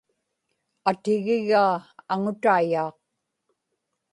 atigigaa aŋutaiyaaq